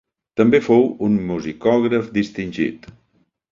També fou un musicògraf distingit.